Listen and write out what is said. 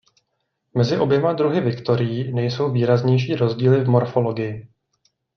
Mezi oběma druhy viktorií nejsou výraznější rozdíly v morfologii.